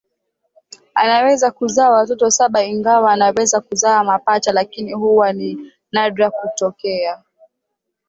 Anaweza kuzaa watoto saba ingawa anaweza kuzaa mapacha lakini huwa ni nadra kutokea